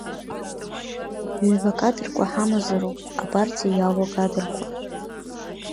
Ҩба акадрқәа ҳамазароуп, апартиа иалоу акадрқәа.